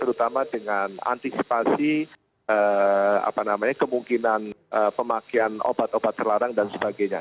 terutama dengan antisipasi kemungkinan pemakaian obat obat terlarang dan sebagainya